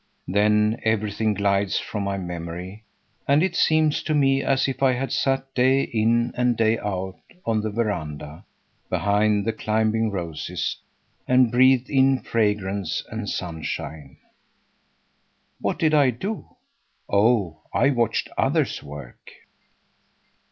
Then everything glides from my memory, and it seems to me as if I had sat day in and day out on the veranda behind the climbing roses and breathed in fragrance and sunshine. What did I do? Oh, I watched others work.